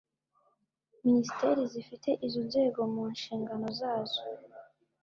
Minisiteri zifite izo nzego mu nshingano zazo.